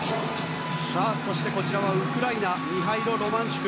そしてウクライナミハイロ・ロマンチュク。